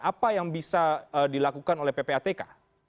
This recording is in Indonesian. apa yang bisa dilakukan oleh ppatk